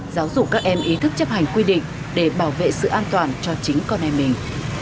giáo dục các em ý thức chấp hành quy định để bảo vệ sự an toàn cho chính con em mình